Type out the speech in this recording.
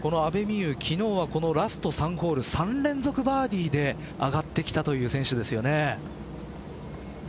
昨日はラスト３ホール３連続バーディーで上がってきた選手ですよね。